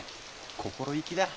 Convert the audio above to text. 心意気だ！